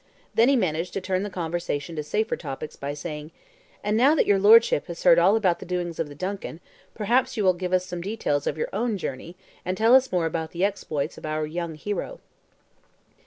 Then he managed to turn the conversation to safer topics by saying: "And now that your Lordship has heard all about the doings of the DUNCAN, perhaps you will give us some details of your own journey, and tell us more about the exploits of our young hero."